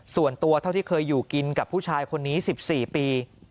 ส่วนตัวเท่าที่เคยอยู่กินกับผู้ชายคนนี้๑๔ปี